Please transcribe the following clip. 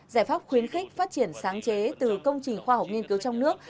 giải pháp khuyến khích phát triển sáng chế từ công trình khoa học nghiên cứu trong nước